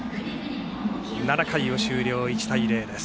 ７回終了で１対０です。